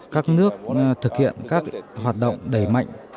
các nước thực hiện các hoạt động đẩy mạnh